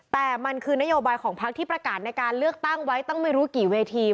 แต่มันคือนโยบายของพักที่ประกาศในการเลือกตั้งไว้ตั้งไม่รู้กี่เวที